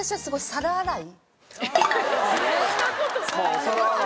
皿洗いも？